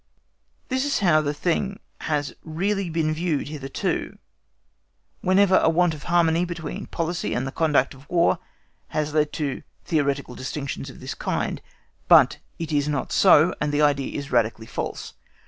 This is how the thing has really been viewed hitherto, whenever a want of harmony between policy and the conduct of a War has led to theoretical distinctions of the kind. But it is not so, and the idea is radically false.